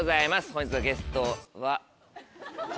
本日のゲストはか。